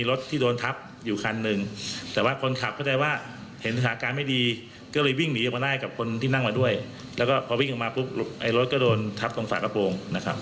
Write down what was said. รถก็โดนทับตรงฝากระโปรง